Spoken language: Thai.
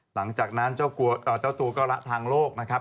หลังจากนั้นเจ้าตัวก็ละทางโลกนะครับ